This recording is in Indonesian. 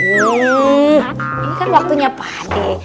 ini kan waktunya pade